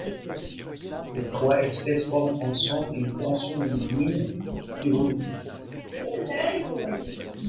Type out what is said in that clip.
Les trois espèces forment ensemble une portion d'une lignée évolutive.